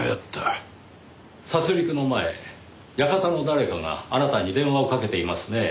殺戮の前館の誰かがあなたに電話をかけていますねぇ。